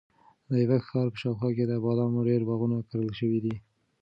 د ایبک ښار په شاوخوا کې د بادامو ډېر باغونه کرل شوي دي.